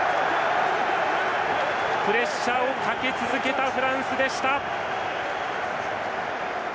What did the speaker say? プレッシャーをかけ続けたフランスでした。